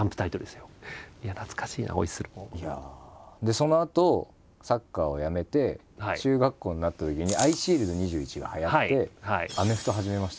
そのあとサッカーをやめて中学校になったときに「アイシールド２１」がはやってアメフト始めました。